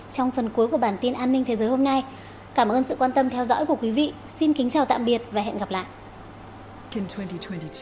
trong phần cuối của bản tin an ninh thế giới hôm nay cảm ơn sự quan tâm theo dõi của quý vị xin kính chào tạm biệt và hẹn gặp lại